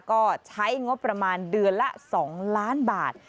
ก็ใช้งบประมาณเดือนละ๒ล้านบาท